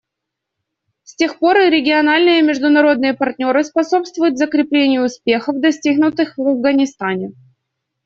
С тех пор региональные и международные партнеры способствуют закреплению успехов, достигнутых в Афганистане.